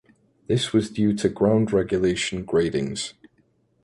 This was due to ground regulation gradings.